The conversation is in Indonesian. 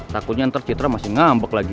takutnya ntar citra masih ngambek lagi